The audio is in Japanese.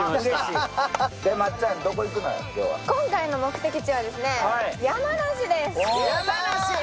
今回の目的地は山梨です。